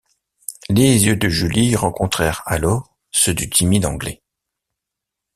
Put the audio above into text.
Les yeux de Julie rencontrèrent alors ceux du timide Anglais.